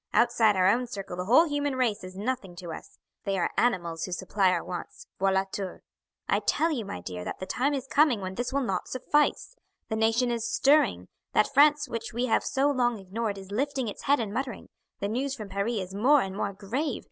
"Outside our own circle the whole human race is nothing to us; they are animals who supply our wants, voila tour. I tell you, my dear, that the time is coming when this will not suffice. The nation is stirring; that France which we have so long ignored is lifting its head and muttering; the news from Paris is more and more grave.